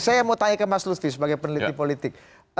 saya mau tanya ke mas lutfi sebagai peneliti politik